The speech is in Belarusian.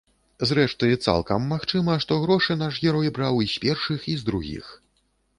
Зрэшты, цалкам магчыма, што грошы наш герой браў і з першых, і з другіх.